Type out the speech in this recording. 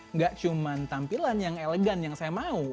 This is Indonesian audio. nggak cuma tampilan yang elegan yang saya mau